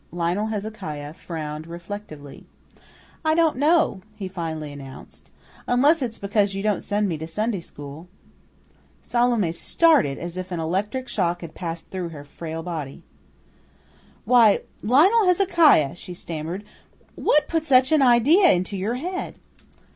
Lionel Hezekiah frowned reflectively. "I don't know," he finally announced, "unless it's because you don't send me to Sunday school." Salome started as if an electric shock had passed through her frail body. "Why, Lionel Hezekiah," she stammered, "what put such and idea into your head?"